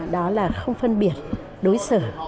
đó là không phân biệt đối xử